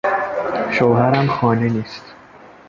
شوهرم خانه نیست.